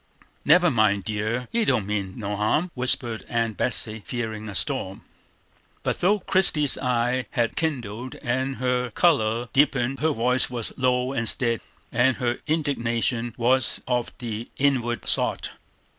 "Never mind, dear, he don't mean no harm!" whispered Aunt Betsey, fearing a storm. But though Christie's eyes had kindled and her color deepened, her voice was low and steady, and her indignation was of the inward sort.